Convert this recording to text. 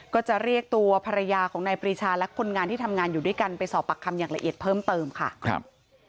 ก็จะเรียกตัวภรรยาของนายปรีชาและคนงานที่ทำงานอยู่ด้วยกันไปสอบปากคำอย่างละเอียดเพิ่มเติมค่ะครับ